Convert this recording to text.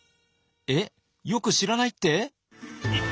えっよく知らないって？